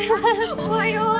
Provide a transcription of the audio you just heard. おはよう。